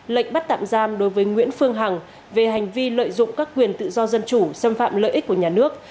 lệnh bắt tạm giam đối với nguyễn phương hằng về hành vi lợi dụng các quyền tự do dân chủ xâm phạm lợi ích của nhà nước